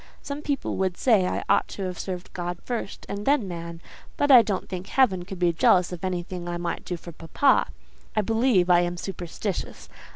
Some people would say I ought to have served God first and then man; but I don't think heaven could be jealous of anything I might do for papa. I believe I am superstitious.